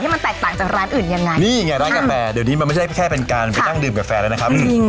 มันแตกต่างจากร้านอื่นยังไงนี่ไงร้านกาแฟเดี๋ยวนี้มันไม่ใช่แค่เป็นการไปนั่งดื่มกาแฟแล้วนะครับ